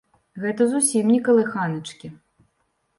Гэта зусім не калыханачкі.